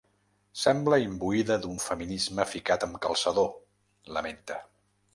“Sembla imbuïda d’un feminisme ficat amb calçador”, lamenta.